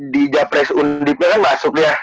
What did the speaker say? di jafres undipnya kan masuk ya